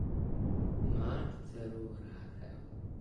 Má dceru Ráchel.